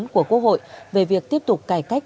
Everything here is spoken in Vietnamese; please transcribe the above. của quốc hội về việc tiếp tục cải cách